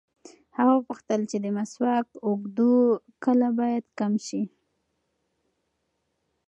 هغه وپوښتل چې د مسواک اوږدو کله باید کم شي.